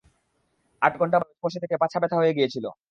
আট ঘন্টা বসে থেকে পাছা ব্যাথা হয়ে গিয়েছিলো।